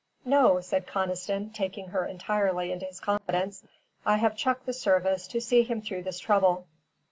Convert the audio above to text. "No," said Conniston, taking her entirely into his confidence. "I have chucked the service to see him through his trouble."